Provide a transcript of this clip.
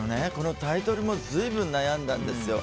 このタイトルも随分悩んだんです。